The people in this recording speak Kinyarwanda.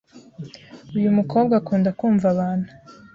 Uyu mukobwa akunda kumva abantu